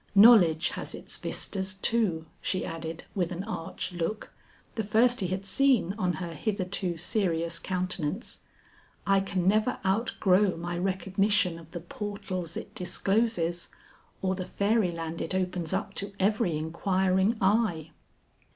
Knowledge has its vistas too," she added with an arch look, the first he had seen on her hitherto serious countenance. "I can never outgrow my recognition of the portals it discloses or the fairy land it opens up to every inquiring eye."